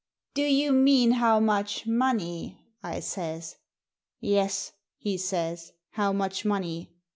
'Do you mean how much money?' I says. *Yes/ he says; 'how much money?'